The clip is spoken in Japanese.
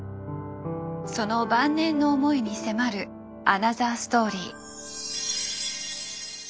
その晩年の思いに迫るアナザーストーリー。